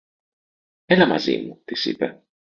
Έλα μαζί μου, της είπε.